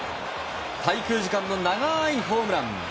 滞空時間の長いホームラン。